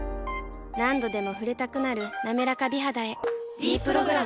何度でも触れたくなる「なめらか美肌」へ「ｄプログラム」